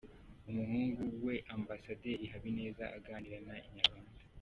Umuhungu we Ambasaderi Habineza aganira na Inyarwanda.